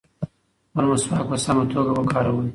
خپل مسواک په سمه توګه وکاروئ.